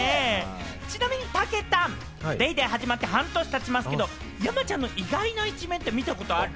ちなみにたけたん、『ＤａｙＤａｙ．』始まって半年経ちますけれども、山ちゃんの意外な一面って見たことある？